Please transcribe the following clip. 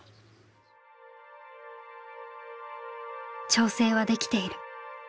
「調整はできている。